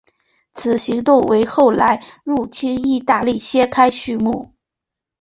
此行动为后来入侵义大利揭开续幕。